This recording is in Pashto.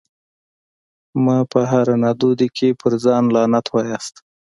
مه په هره نادودي کي پر ځان لعنت واياست